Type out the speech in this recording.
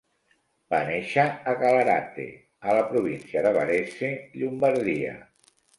Va néixer a Gallarate, a la província de Varese, Llombardia.